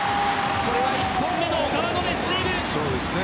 これは１本目の小川のレシーブが。